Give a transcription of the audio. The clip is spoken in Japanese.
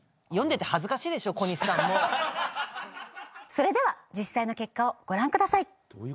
それでは実際の結果をご覧ください。